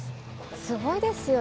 すごいですよね。